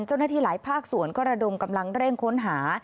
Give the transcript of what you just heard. เจ้าหน้าที่หลายภาคส่วนก็ระดมกำลังเร่งค้นหา